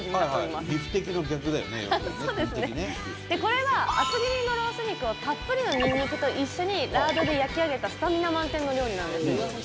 でこれは厚切りのロース肉をたっぷりのニンニクと一緒にラードで焼き上げたスタミナ満点の料理なんですよ。